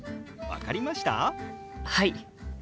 はい。